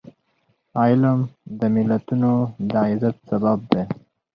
علم د ملتونو د عزت سبب دی.